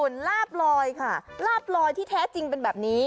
นี่ค่ะคุณลาบลอยที่แท้จริงเป็นแบบนี้